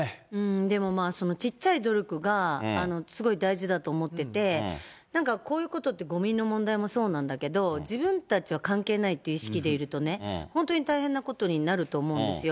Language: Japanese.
でもまあ、ちっちゃい努力がすごい大事だと思ってて、なんかこういうことって、ごみの問題もそうなんだけど、自分たちは関係ないっていう意識でいるとね、本当に大変なことになると思うんですよ。